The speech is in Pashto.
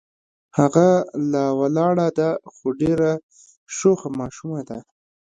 هغه لا وړه ده خو ډېره شوخه ماشومه ده.